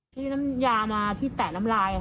ที่น้ำยามาที่แตะน้ำลาย